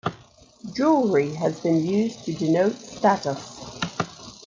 Jewellery has been used to denote status.